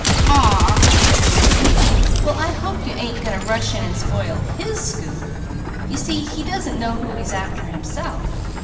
"Aw w wh!" said Mickey. "Well I hope you ain't going to rush in and spoil his scoop. You see he doesn't know who he's after, himself.